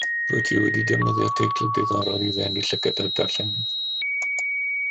Rwyt ti wedi defnyddio teitl diddorol i ddenu llygad y darllenydd